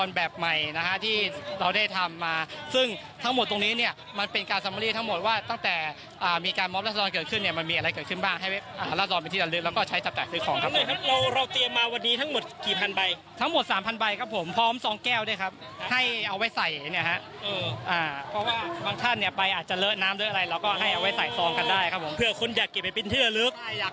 เราได้ทำมาซึ่งทั้งหมดตรงนี้เนี่ยมันเป็นการสมรีทั้งหมดว่าตั้งแต่มีการมอบรัดรอนเกิดขึ้นเนี่ยมันมีอะไรเกิดขึ้นบ้างให้รัดรอนเป็นที่ละลึกแล้วก็ใช้จับจ่ายซื้อของครับผมเราเตรียมมาวันนี้ทั้งหมดกี่พันใบทั้งหมดสามพันใบครับผมพร้อมซองแก้วด้วยครับให้เอาไว้ใส่เนี่ยฮะอ่าเพราะว่าบางท่านเนี่ย